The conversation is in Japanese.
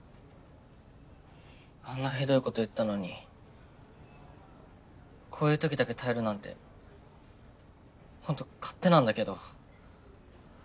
あんなひどいこと言ったのにこういう時だけ頼るなんてホント勝手なんだけど。